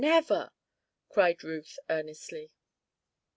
Never!" cried Ruth, earnestly.